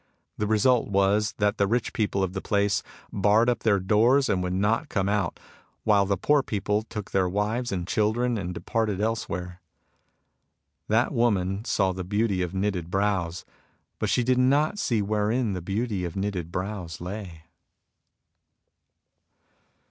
The result was that the rich people of the place barred up their doors and would not come out, while the poor people took their wives and children and departed else where. That woman saw the beauty of knitted brows, but she did not see wherein the beauty of knitted brows lay.